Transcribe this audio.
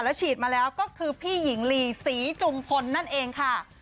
ฉีดมาแล้วก็คือพี่หญิงลีศรีจุมพลนั่นเองค่ะ